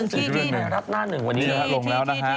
หน้านึงวันนี้ลงแล้วนะคะ